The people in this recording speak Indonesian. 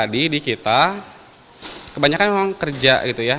di kita kebanyakan memang kerja